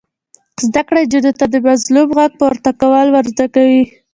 زده کړه نجونو ته د مظلوم غږ پورته کول ور زده کوي.